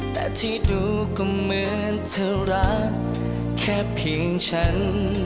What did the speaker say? แต่ที่ดูก็เหมือนเธอรักแค่เพียงฉัน